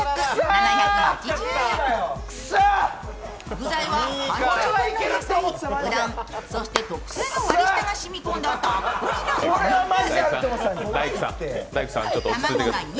具材は半日分の野菜、うどん、そして特製の割り下が染み込んだたっぷりのお肉。